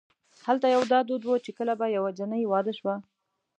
هلته یو دا دود و چې کله به یوه جنۍ واده شوه.